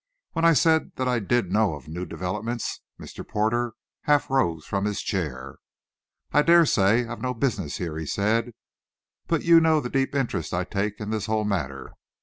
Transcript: When I said that I did know of new developments, Mr. Porter half rose from his chair. "I dare say I've no business here," he said; "but you know the deep interest I take in this whole matter.